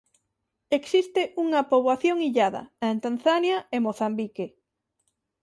Existe unha poboación illada en Tanzania e Mozambique.